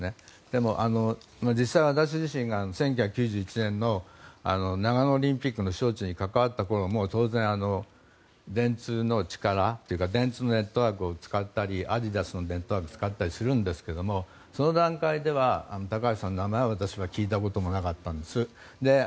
でも、実際私自身が１９９１年の長野オリンピックの招致に関わったころも電通の力というかネットワークを使ったりアディダスのネットワークを使ったりするんですけどその段階では高橋さんの名前を私は聞いたこともなかったんです。